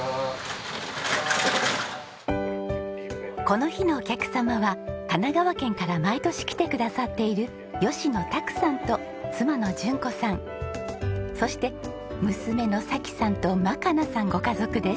この日のお客様は神奈川県から毎年来てくださっている吉野卓さんと妻の淳子さんそして娘の桜季さんと万奏さんご家族です。